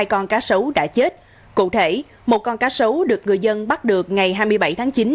hai con cá sấu đã chết cụ thể một con cá sấu được người dân bắt được ngày hai mươi bảy tháng chín